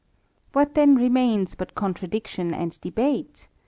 What then remains but contradiction and debate